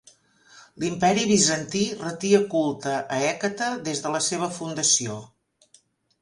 L'Imperi Bizantí retia culte a Hècate des de la seva fundació.